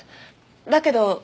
だけど。